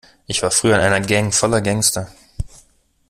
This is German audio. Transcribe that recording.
Ich war früher in einer Gang voller Gangster.